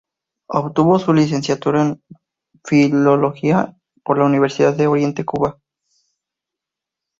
Obtuvo su Licenciatura en Filología por la Universidad de Oriente, Cuba.